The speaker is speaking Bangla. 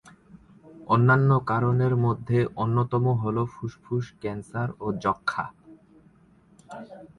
অন্যান্য কারণের মধ্যে অন্যতম হলো ফুসফুস ক্যান্সার ও যক্ষ্মা।